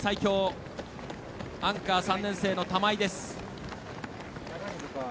アンカー、３年生の玉井です。